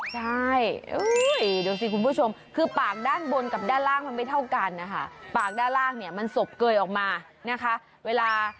จ้าโหยดูสิคุณผู้ชมคือปากด้านบนกับด้านล่างมันไม่เท่ากันนะคะ